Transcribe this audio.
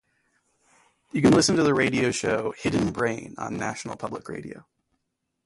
You can listen to the radio show "Hidden Brain" on National Public Radio.